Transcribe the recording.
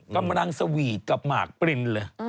กำลังสวีทกับหมากปรินเลย